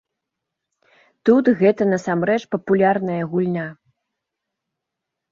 Тут гэта насамрэч папулярная гульня.